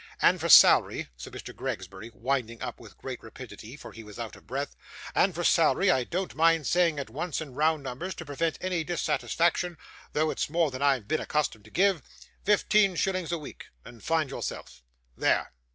And for salary,' said Mr. Gregsbury, winding up with great rapidity; for he was out of breath 'and for salary, I don't mind saying at once in round numbers, to prevent any dissatisfaction though it's more than I've been accustomed to give fifteen shillings a week, and find yourself. There!